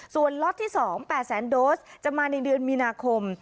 ส่วนล็อตที่๒๘แสนโดสจะมาในเดือนมีนาคม